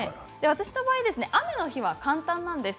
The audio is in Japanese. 私の場合、雨の日は簡単です。